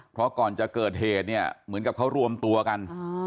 เพราะก่อนจะเกิดเหตุเนี่ยเหมือนกับเขารวมตัวกัน